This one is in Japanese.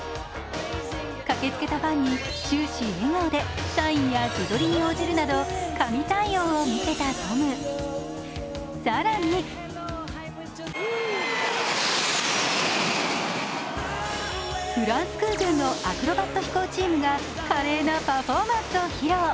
駆けつけたファンに、終始笑顔でサインや自撮りに応じるなど神対応を見せたトムさらにフランス空軍のアクロバット飛行チームが華麗なパフォーマンスを披露。